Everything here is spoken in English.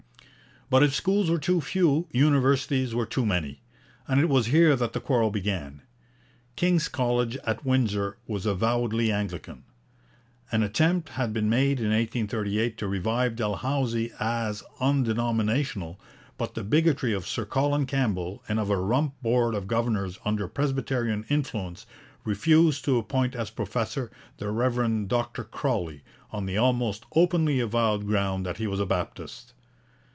But if schools were too few, universities were too many, and it was here that the quarrel began. King's College at Windsor was avowedly Anglican. An attempt had been made in 1838 to revive Dalhousie as undenominational, but the bigotry of Sir Colin Campbell and of a rump board of governors under Presbyterian influence refused to appoint as professor the Rev. Dr Crawley, on the almost openly avowed ground that he was a Baptist.